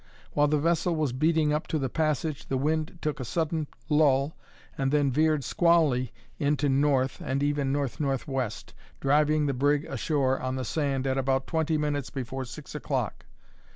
While the vessel was beating up to the passage, the wind took a sudden lull, and then veered squally into N. and even N.N.W., driving the brig ashore on the sand at about twenty minutes before six o'clock.